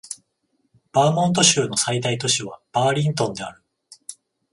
バーモント州の最大都市はバーリントンである